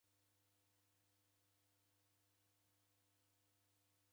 Uja mwana ndoufwanane na m'ndungi.